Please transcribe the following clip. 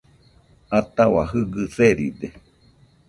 Atahua Jɨgɨ seride